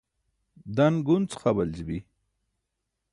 dan gunc xa waljibi